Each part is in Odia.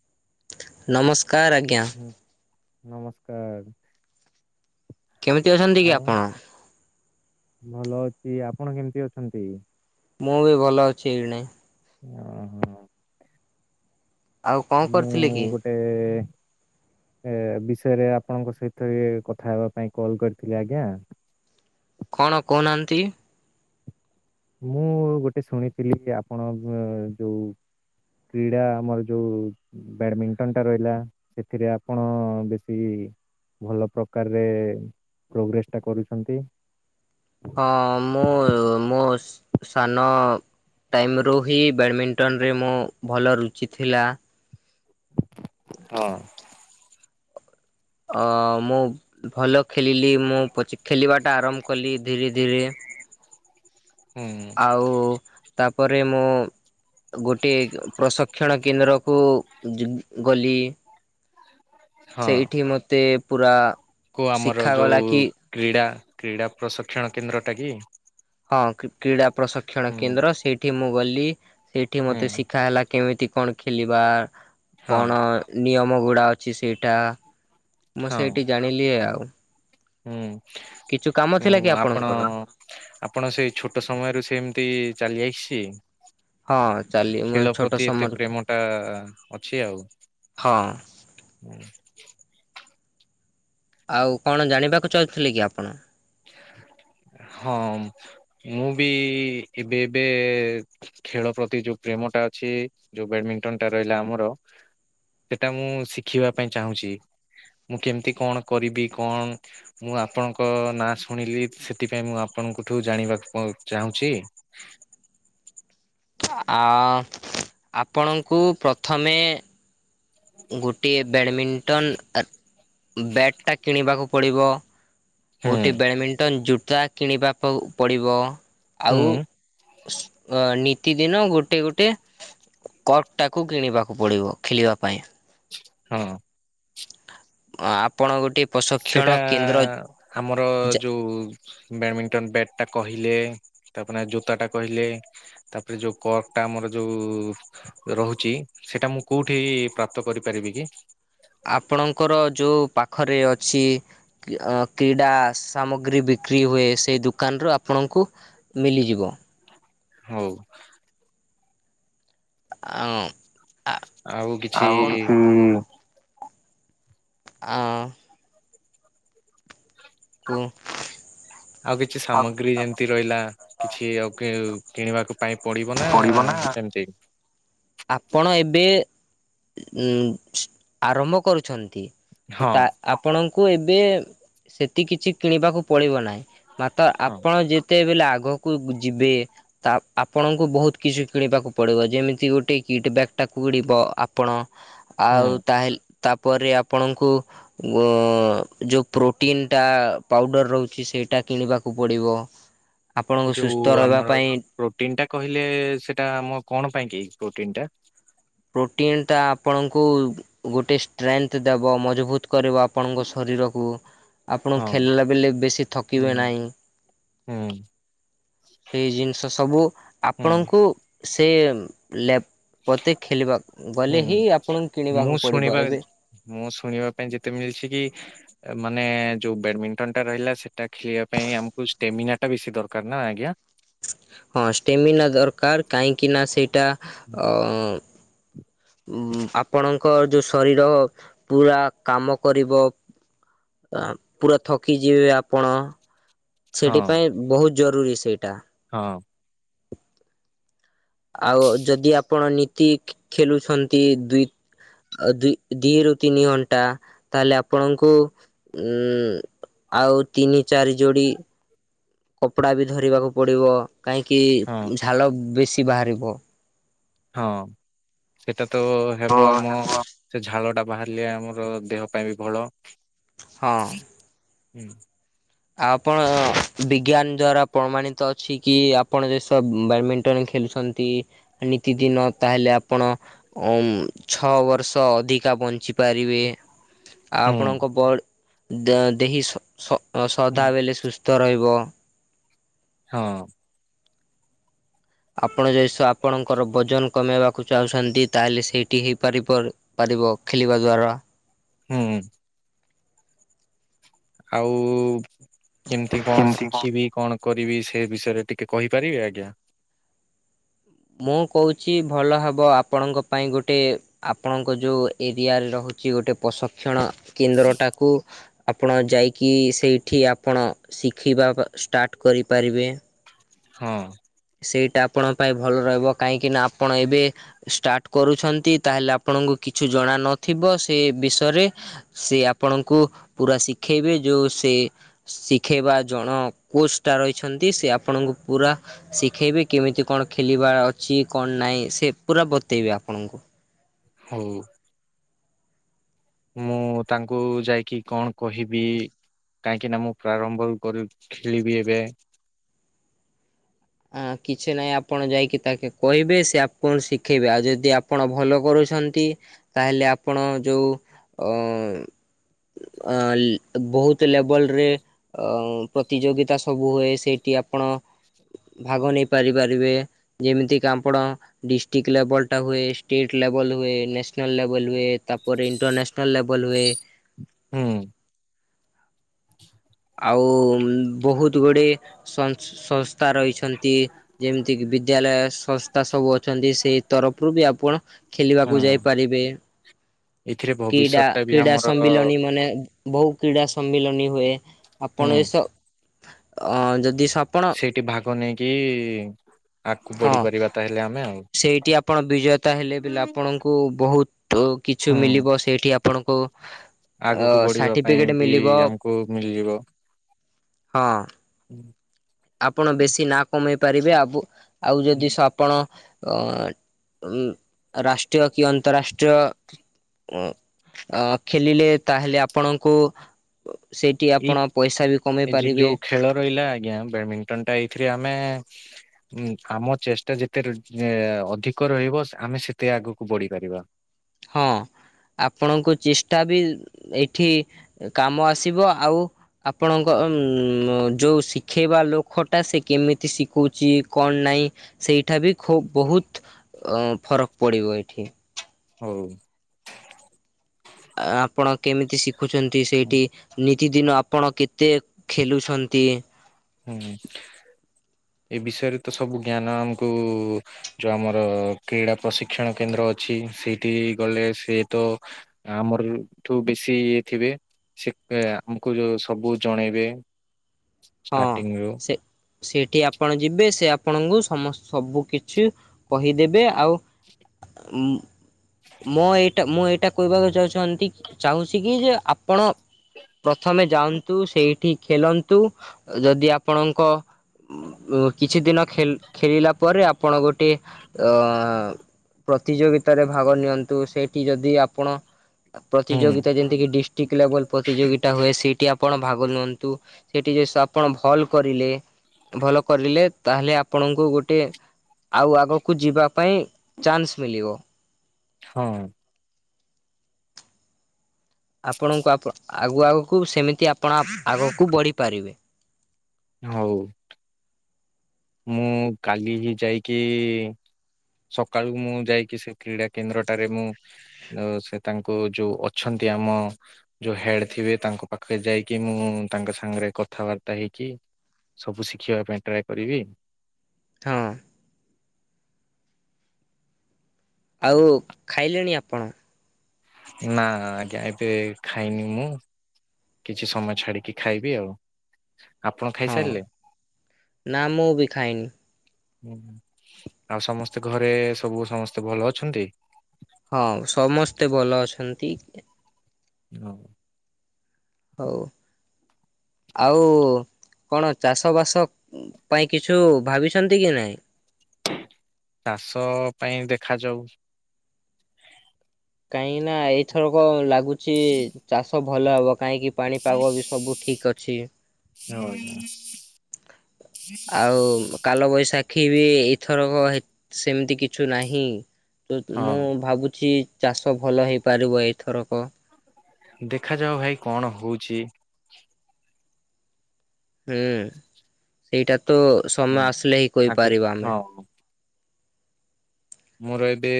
[inaudible] ନମସ୍ କାର ଆଜ୍ଞା। ହୁଁ ନମସ୍କାର। କେମିତି ଅଛନ୍ତି କି ଆଉ ଆପଣ? ଭଲ ଅଛି ଆପଣ କେମିତି ଅଛନ୍ତି? ମୁଁ ବି ଭଲ ଅଛି ଏଇଣେ। ଓ ହୋ। ଆଉ କଣ କରିଥିଲେ କି? ଗୋଟେ ଏ ବିଷୟରେ ଆପଣଙ୍କ ସହିତ କଥା ହେବା ପାଇଁ କଲ କରିଥିଲି ଆଜ୍ଞା କଣ କହୁନାହାନ୍ତି ମୁଁ ଗୋଟେ ଶୁଣିଥିଲି ଆପଣ ଯେଉଁ କ୍ରୀଡ଼ା ଆମର ଯେଉ ବ୍ୟାଡ଼ମିଣ୍ଟନଟା ରହିଲା ସେଥିରେ ଆପଣ ବେଶୀ ଭଲ ପ୍ରକାରରେ ପ୍ରୋଗ୍ରେସଟା କରୁଛନ୍ତି ହଁ ମୁଁ ମୋ ସାନ ଟାଇମ୍ରୁ ହିଁ ବ୍ୟାଡ଼ମିଣ୍ଟନରେ ମୁଁ ଭଲ ରୁଚି ଥିଲା ହଁ ଅ ମୁଁ ଭଲ ଖେଳିଲି ମୁଁ ପ ଖେଳିବାଟା ଆରମ୍ଭ କଲି ଧୀରେ ଧୀରେ ହୁଁ ଆଉ ତାପରେ ହୁଁ ଗୋଟିଏ ପ୍ରସକ୍ଷଣ କେନ୍ଦ୍ର କୁ ଗଲି ସେଇଠି ମତେ ପୁରା କୁ ଆମର ଶିଖାଗଲା ଯୋଉ କି କ୍ରୀଡ଼ା କ୍ରୀଡ଼ା ପ୍ରଶିକ୍ଷଣ କେନ୍ଦ୍ରଟା କି ହଁ କ୍ରୀଡ଼ା ପ୍ରଶିକ୍ଷଣ ହୁଁ କେନ୍ଦ୍ର ସେଇଠି ମୁଁ ବଲି ସେଇଠି ହୁଁ ମତେ ଶିଖା ହେଲା କେମିତି କଣ ଖେଳିବା ହଁ କଣ ନିୟମ ମଗୁଡ଼ା ଅଛି ସେଇଟା ମୁଁ ସେଇଠି ଜାଣିଲି ଆଉ କିଛୁ କାମ ଥିଲା କି ହୁଁଁ ଆପଣ ଆପଣଙ୍କର? ଆପଣ ସେଇ ଛୋଟ ସମୟରୁ ସେମତି ଚାଲି ଯାଇଛି। ହଁ ଚାଲି ମୁଁ ଖେଳ ଛୋଟ ପ୍ରତି ଏତେ ସମର ପ୍ରେମ ଟା ଅଛି ଆଉ। ହଁ ଆଉ କଣ ଜାଣିବାକୁ ଚାହୁଁଥିଲେ କି ଆପଣ। ହଁ ମୁଁ ବି ଏବେ ଏବେ ଖେଳ ପ୍ରତି ଯୋଉ ପ୍ରେମ ଟା ଅଛି। ଯୋଉ ବ୍ୟାଡ଼ମିଣ୍ଟନ ଟା ରହିଲା ଆମର ସେଟା ମୁଁ ଶିଖିବା ପାଇଁ ଚାହୁଁଛି। ମୁଁ କେମିତି କଣ କରିବି କଣ ମୁଁ ଆପଣଙ୍କ ନା- ଶୁଣିଲି ସେଥିପାଇଁ ମୁଁ ଆପଣଙ୍କଠୁ ଜାଣିବାକୁ ଚାହୁଁଛି। ଆ ଆପଣଙ୍କୁ ପ୍ରଥମେ। ଗୋଟିଏ ବ୍ୟାଡ଼ମିଣ୍ଟନ। ବ୍ୟାଟ୍ ଟା କିଣିବାକୁ ପଡ଼ିବ। ହୁଁ ଗୋଟେ ବ୍ୟାଡମିଣ୍ଟନ୍ ଜୁଟ୍। ତାହା କିଣିବା କୁ ପଡ଼ିବ। ହୁଁ ଆଉ। ନିତିଦିନ ଗୋଟେ ଗୋଟେ କ୍ରକ୍ ଟାକୁ କିଣିବାକୁ ପଡି଼ବ ଖେଳିବା ପାଇଁ। ହଁ। ଆପଣ ଗୋଟେ ପ୍ରଶିକ୍ଷଣ ସେଇଟା କେନ୍ଦ୍ର ଆମର ଯା ଯୋଉ ବ୍ୟାଡ଼ମିଣ୍ଟନ ବ୍ୟାଟ ଟା କହିଲେ ତାପରେ ଜୋତା ଟା କହିଲେ ତାପରେ ଯୋଉ କ୍ରକ୍ କଟା ଆମର ଯୋଉ ରହୁଛି ସେଇଟା ମୁଁ କୋଉଠି ପ୍ରାପ୍ତ କରିପାରିବି କି? ଆପଣଙ୍କର ଯେଉଁ ପାଖରେ ଅଛି କ୍ରୀଡ଼ା ସାମଗ୍ରୀ ବିକ୍ରି ହୁଏ। ସେହି ଦୋକାନରୁ ଆପଣଙ୍କୁ ମିଳିଯିବ। ହଉ। ଆ ଆ ଆଉ କିଛି ଆଁ। କୁଁ। ଆଉ କିଛି ସାମଗ୍ରୀ ଯେମିତି ରହିଲା କିଛି ଆଉ କିଣିବାକୁ ପାଇଁ ପଡି଼ବ ନା ସେମିତି ଆପଣ ଏବେ ଆରମ୍ଭ କରୁଛନ୍ତି। ହଁ ତା ଆପଣ କୁ ଏବେ ସେତିକି କିଛି କିଣିବାକୁ ପଡି଼ବ ନାହିଁ। ମାତ୍ର ହଁ ଆପଣ ଯେ କେତେବେଲେ ଆଗକୁ ଯିବେ ତା ଆପଣ। ବହୁତ କିଛି କିଣିବାକୁ ପଡ଼ିବ ଯେମିତି ଗୋଟେ କିଟ୍ ବ୍ୟାଗ୍ ଟାକୁ କିଣିବ ଆପଣ ଆଉ ହୁଁ ତାହେଲେ ତାପରେ ଆପଣଙ୍କୁ ଯେଉଁ ପ୍ରୋଟିନ୍ ଟା ପାଉଡ଼ର ରହୁଛି ସେଇଟା କିଣିବାକୁ ପଡ଼ିବ। ଆପଣଙ୍କୁ ଯୋଉ ସୁସ୍ଥ ରହିବା ଆମର ପାଇଁ ପ୍ରୋଟିନ ଟା କହି ଲେ ସେଟା ଆମ କଣ ପାଇଁ ପ୍ରୋଟିନ ଟା। ପ୍ରୋଟିନ୍ ଟା ଆପଣଙ୍କୁ ଗୋଟେ ଷ୍ଟ୍ରେନ୍ଥ ଦେବ ମଜବୁତ୍ କରିବ ଆପଣଙ୍କ ଶରୀରକୁ। ଆପଣ ହଁ ଖେଲିଲା ବେଳେ ବେଶୀ ଥକିବେ ହୁଁ ନାହିଁ। ହୁଁ। ସେଇ ଜିନିଷ ସବୁ ହୁଁ ଆପଣଙ୍କୁ ସ୍ ତେ ଲେପ୍ ହୁଁ ଆପଣଙ୍କୁ ମୁଁ କିଣିବାକୁ ପଡ଼ିବ ଶୁଣିବା ଏବେ ମୁଁ ଶୁଣିବା ପାଇଁ ଯେତେ ମିଳିଛି କି? ମାନେ ଯୋଉ ବ୍ୟାଡମିଣ୍ଟନ ଟା ରହିଲା ସେଟା ଖେଳିବା ପାଇଁ ଆମକୁ ଷ୍ଟେମିନା ଟା ବେଶୀ ଦରକାର ନା ଆଜ୍ଞା। ହଁ ଷ୍ଟେମିନା ଦରକାର କାହିଁକି ନା ସେ ଟା ଅ ଉମ ଆପଣଙ୍କ ଯୋଉ ଶରୀର ପୁରା କାମ କରିବ। ପୁରା ଥକିଯିବେ ଆପଣ। ସେଠି ହଁ ପାଇଁ ବହୁତ ଜରୁରୀ ସେଇଟା। ହଁ ଆଉ ଯଦି ଆପଣ ନିତି ଖେଲୁଛନ୍ତି ଦୁଇ ଦୁଇ ଦିଇରୁ ତିନି ଘଣ୍ଟା ତାହେଲେ ଆପଣଙ୍କୁ ଉଁ ଆଉ ତିନି ଚାରି ଯୋଡି କପଡ଼ା ବି ଧରିବାକୁ ପଡିବ। କାହିଁକି ହଁ ଝାଳ ବେଶୀ କି ବାହାରିବ ହଁ ସେ ସେଟା ତ ହେବ ଆମ ସେ ଝାଳଟା ବାହାରିଲେ ଆମର ଦେହ ପାଇଁ ବି ଭଲ। ହଁ ଅଁ। ହୁଁ। ଆପଣ ବିଜ୍ଞାନ ଦ୍ଵାରା ପ୍ରମାଣିତ ଅଛି କି ଆପଣ ଯେ ସବ ବ୍ୟାଡମିଣ୍ଟନ ଖେଳୁଛନ୍ତି। ନିତିଦିନ ତାହେଲେ ଆପଣ ଉମ୍ ଛଅ ବର୍ଷ ଅଧିକା ବଞ୍ଚି ପାରିବେ ଆଉ ହୁଁ ଆପଣଙ୍କ ବଡ଼ ଦ ଦେହି ସ ସ ହୁଁ, ସଦା ବେଲେ ସୁସ୍ଥ ସୁସ୍ଥ ରଇବ। ହଁ। ଆପଣ ଯଦିସେ ଆପଣଙ୍କର ବଜନ କମାଇବାକୁ ଚାହୁଁଛନ୍ତି ତାହେଲେ ସେଇଠି ହି ପାରିବ ପାରିବ ଖେଳିବା ଦ୍ୱାରା। ହୁଁ। ଆଉ-ଉ-ଉ-ଉ କେମନ୍ତି କଣ ଶିଖିବି, କଣ କରିବି ସେ ବିଷୟରେ ଟିକେ କହିପାରିବେ ଆଜ୍ଞା! ମୁଁ କହୁଛି ଭଲ ହେବ ଆପଣଙ୍କ ପାଇଁ ଗୋଟେ ଆପଣଙ୍କ ଯୋଉ ଏରିଆରେ ରହୁଛି ଗୋଟେ ପ୍ରଶକ୍ଷଣ କେନ୍ଦ୍ରଟାକୁ ଆପଣ ଯାଇକି ସେଇଠି ଆପଣ ଶିଖିବା ଅ ଷ୍ଟାର୍ଟ କରିପାରିବେ। ହଁ। ସେଇଟା ଆପଣ ପାଇଁ ଭଲ ରହିବ। କାହିଁକି ନା ଆପଣ ଏବେ ଷ୍ଟାର୍ଟ କରୁଛନ୍ତି ତାହେଲେ ଆପଣଙ୍କୁ କିଛି ଜଣା ନଥିବ। ସେ ବିଷୟରେ ସେ ଆପଣଙ୍କୁ ପୁରା ଶିଖେଇବେ ଯୋଉ ସେ ଶିଖେଇବା ଜଣ କୋଚ ଟା ରହିଛନ୍ତି ସେ ଆପଣଙ୍କୁ ପୁରା ଶିଖେଇବି କେମିତି କଣ ଖେଲିବାର ଅଛି କଣ ନାଇଁ ସେ ପୁରା ବତେଇବେ ଆପଣଙ୍କୁ। ହଉଁ। ମୁଁ ତାଙ୍କୁ ଯାଇକି କଣ କହିବି-ଇ-ଇ କାହିଁକି ନା ମୁଁ ପ୍ରାରମ୍ଭରୁ କରୁ ଖେଳିବି ଏବେ। କିଛି ନାହିଁ ଆପଣ ଯାଇକି ତାକେ କହିବେ ସେ ଆପଣକୁ ଶିଖେଇବେ ଆଉ ଯଦି ଆପଣ ଭଲ କରୁଛନ୍ତି ତାହେଲେ ଆପଣ ଯୋଉ ଅ-ଅ-ଅ ଆ ଲେ ବହୁତ ଲେବଲ୍‌ରେ ଅ ପ୍ରତିଯୋଗିତା ସବୁ ହୁଏ ସେଇଠି ଆପଣ ଭାଗ ନେଇ ପାରିପାରିବେ ଯେମିତିକା ଆପଣ ଡିଷ୍ଟ୍ରିକ୍ ଲେବଲ୍‌ଟା ହୁଏ, ଷ୍ଟେଟ୍ ଲେବଲ୍ ହୁଏ, ନ୍ୟାସନାଲ୍ ଲେଵଲ୍ ହୁଏ, ତାପରେ ଇଣ୍ଟରନ୍ୟାସନାଲ୍ ଲେଵଲ୍ ହୁଏ। ହୁଁ। ଆଉ-ଉ-ଉ-ଉ ବହୁତ୍ ଗୁଡ଼ିଏ ସଂସ୍‌ ସଂସ୍ଥା ରହିଛନ୍ତି। ଯେମିତି କିି ବିଦ୍ୟାଳୟ ସଂସ୍ ତା ସବୁ ଅଛନ୍ତି ସେଇ ତରଫରୁ ବି ଆପଣ ହଁ ଖେଲିବାକୁ ଯାଇପାରିବେ ଏଥିରେ ଭବିଷ୍ୟତ କୀଡ଼ା ଟା ବି କ୍ରୀଡ଼ା ଆମର ସମ୍ମିଲନୀ ମାନେ ବହୁ କ୍ରୀଡ଼ା ସ ସମ୍ମିଳନୀ ହୁଏ। ହୁଁ ଆପଣ ଏସ ଅ ଯଦି ସବ ସେଇଠି ଭାଗ ନେଇକି ଆଗକୁ ହଁ ବଢି ପାରିବା ତାହେଲେ ଆମେ ଆଉ ସେଇଠି ଆପଣ ବିଜେତା ହେଲେ ବି ପିଲା ଆପଣଙ୍କୁ ବହୁତ ତ କିଛି ହୁଁ ମିଲିବ ସେଇଠି ଆପଣଙ୍କୁ ଅ ଆଗକୁ ବଢ଼ିବା ପାଇଁ ସାର୍ଟିଫିକେଟ ବି ମିଳିବ ଆମକୁ ମିଲିବ। ହଁ। ଆପଣ ବେଶୀ ନା କମେଇ ପାରିବେ ଆବୁ ଆଉ ଯଦିସ ଆପଣ ଅ ଅମ୍‌ ରାଷ୍ଟ୍ରୀୟ କି ଅନ୍ତରାଷ୍ଟ୍ରୀୟ ଅ ଅ ଖେଲିଲେ ତାହେଲେ ଆପଣଙ୍କୁ ସେଇଠି ଆପଣ ପଇସା ବି କମେଇ ଏଇ ଏ ପାରିବେ ଯୋଉ ଖେଳ ରହିଲା ଆଜ୍ଞା ବେଡ୍‌ମିଣ୍ଟନ ଟା ଏଇଥିରେ ଆମେ ଉ ଆମ ଚେଷ୍ଟା ଯେତେ ଏ ଅଧିକ ରହିବ ସ ଆମେ ସେତେ ଆଗକୁ ବଢି ପାରିବା। ହଁ ଆପଣଙ୍କ ଚେଷ୍ଟା ବି ଏଇଠି କାମ ଆସିବ ଆଉ ଆପଣଙ୍କ ଉମ୍ ଯଉ ଶିଖେଇବା ଲୋକଟା ସେ କେମିତି ଶିଖଉଛି କଣ ନାହିଁ ସେଇଠା ବି ଖୁବ୍ ବହୁତ ଅ ଫରକ୍ ପଡ଼ିବ ଏଇଠି। ହଉ। [unintelligible] ଆପଣ କେମିତି ଶି ଶିଖୁଛନ୍ତି ସେଇଠି ନି ନିତିଦିନ ଆପଣ କେତେ ଖେଲୁଛନ୍ତି? ହୁଁ ଏ ବିଷୟରେ ତ ସବୁ ଜ୍ଞାନ ଆମକୁ ଯୋଉ ଆମର କ୍ରୀଡ଼ା ପ୍ରଶିକ୍ଷଣ କେନ୍ଦ୍ର ଅଛି ସେଇଠି ଗଲେ ସେ ତ ଆମରଲୁଠୁ ବେଶୀ ଇଏ ଥିବେ ସେ ଆମକୁ ଯଉ ସବୁ ଜଣେଇବେ ଷ୍ଟାଟିଙ୍ଗ୍ ରୁ ସେଠି ଆପଣ ଯିବେ ସେ ଆପଣଙ୍କୁ ସମ ସବୁ କିଛି କହିଦେବେ ଆଉ ଆ ଉଁ ମଁ ଏଇଟା ମୁଁ ଏଇ ଏଟା କହିବାକୁ ଚାହୁଛନ୍ତି ଚାହୁଁଛି କି ଯେ ଆପଣ? ପ୍ରଥମେ ଯାଆନ୍ତୁ ସେଇ ଏଠିକି ଖେଳନ୍ତୁ [unintelligible] ଯଦି ଆପଣଙ୍କ କିଛି ଦିନ ଖେଳିଲା ପରେ ଆପଣ ଗୋଟେ ଅ ପ୍ରତିଯୋଗିତାରେ ଭାଗ ନିଅନ୍ତୁ ସେଇଠି ଯଦି ଆପଣ ହୁଁ ପ୍ରତିଯୋଗତା ଯେନ୍ତିକି ଡିଷ୍ଟ୍ରିକ୍ଟ ଲେଭଲ ପ୍ରତିଯୋଗିତା ହୋଇ ସେଇଟି ଆପଣ ଭାଗ ନିଅନ୍ତୁ ସେଇଠି ଯେଉଁ ସ ଆପଣ ଭଲ୍ କରିଲେ ଭଲ କରିଲେ ତାହେଲେ ଆପଣଙ୍କୁ ଗୋଟେ ଆଉ ଆଗକୁ ଯିବା ପାଇଁ ଚାନ୍ସ ମିଳିବ। ହଁ ଆପଣଙ୍କୁ ଆଗୁ ଆଗକୁ ସେମିତି ଆପଣ ଆଗକୁ ବଢିପାରିବେ। ହଉ ମୁଁ କାଲି ହିଁ ଯାଇକି ସକାଳୁ ମୁଁ ଯାଇକି ସେ କ୍ରୀଡ଼ା କେନ୍ଦ୍ରଟାରେ ମୁଁ ସେ ତାଙ୍କୁ ଯୋଉ ଅଛନ୍ତି ଆମ ଯୋଉ ହେଡ ଥିବେ ତାଙ୍କ ପାଖରେ ଯାଇକି ମୁଁ ତାଙ୍କ ସାଙ୍ଗରେ କଥାବାର୍ତ୍ତା ହେଇକି ସବୁ ଶିଖିବା ପାଇଁ ଟ୍ରାଏ କରିବି। ହଁ ଆଉ ଖାଇଲେଣି ଆପଣ? ନା ଆଜ୍ଞା ଏବେ ଖାଇନି ମୁଁ କିଛି ସମୟ ଛାଡିକି ଖାଇବି ଆଉ ଆପଣ ହଁ ଖାଇସାରିଲେ? ନା ମୁଁ ବି ଖାଇନି। ହୁଁ ଆଉ ସମସ୍ତେ ଘରେ ସବୁ ସମସ୍ତେ ଭଲ ଅଛନ୍ତି। ହଁ ସମସ୍ତେ ଭଲ ଅଛନ୍ତି। ହଁ। ହଉ ଆଉ କଣ ଚାଷବାସ ପାଇଁ କିଛୁ ଭାବିଛନ୍ତି କି ନାଇଁ। ଚାଷ ପାଇଁ ଦେଖାଯାଉ। କାହିଁକି ନା ଏଇଥରକ ଲାଗୁ। ଗୁଚି ଚାଷ। ଭଲ ହେବ। କାହିଁକି ପାଣିପାଗ ବି ସବୁ ଠିକ ଅଛି। ଆଉ କାଲ। ବୈଶାଖୀ ବି ଏଇଥରକ ସେମିତି କିଛୁ ନାହିଁ। ତ ହଁ ମୁଁ ଭାବୁଛି। ଚାଷ ଭଲ ହେଇପାରିବ ଏଇଥରକ। ଦେଖାଯାଉ ଭାଇ କଣ ହଉଛି। ହୁଁ ସେଇଟା। ତ ସମୟ ହଁ ଆସିଲେ ହିଁ ଆଗ କହିପାରିବା ଆମେ। ହଁ ମୋର ଏବେ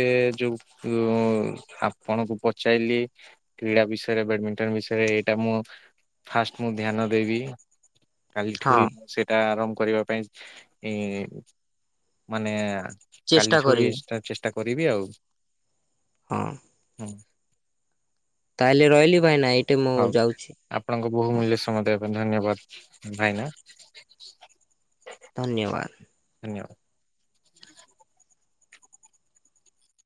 ଯୋଉ ଆପଣଙ୍କୁ ପଚାରଲିି କ୍ରୀଡା ବିଷୟରେ ବ୍ୟାଡମିଣ୍ଟନ ବିଷୟରେ ଏଇଟା ମୁଁ ଫାଷ୍ଟ ମୁଁ ଧ୍ୟାନ ଦେବି। ହଁ କାଲିଠୁଇ ସେଟା ଆରମ୍ଭ। କରିବା ପାଇଁ ଇଁ ମାନେ। ଚେଷ୍ଟା କାଲିଠୁ ହିଁ କରିବି। ଚେଷ୍ଟା କରିବି ଆଉ। ହଁ। ଉଁ। ତାହେଲେ ରହିଲି ଭାଇନା ଏଇଟେ ମୁଁ ହଉ ଯାଉଛି। ଆପଣଙ୍କ ବହୁମୂଲ୍ୟ ସମୟ ଦେବା ଧନ୍ୟବାଦ ଭାଇନା। ଧନ୍ୟବାଦ। ଧନ୍ୟବାଦ।